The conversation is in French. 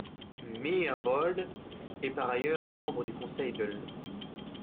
Myhrvold est par ailleurs membre du conseil de l'.